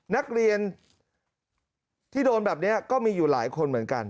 นักเรียนที่โดนแบบนี้ก็มีอยู่หลายคนเหมือนกัน